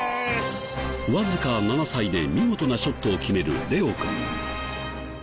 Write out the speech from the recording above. わずか７歳で見事なショットを決めるレオくん。